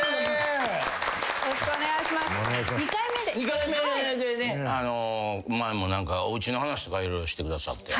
２回目でね前もおうちの話とか色々してくださって。